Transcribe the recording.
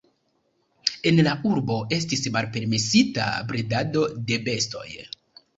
En la urbo estis malpermesita bredado de bestoj.